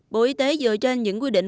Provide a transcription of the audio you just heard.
bộ y tế dựa trên những quy định